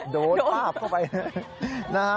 โดนปากเข้าไปเลย